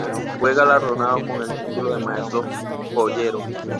Fue galardonado con el título de Maestro Joyero.